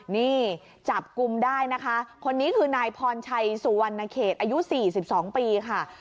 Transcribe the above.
นี่จับกลุ่มได้นะคะคนนี้คือนายพรชัยสุวรรณเขตอายุ๔๒ปีค่ะ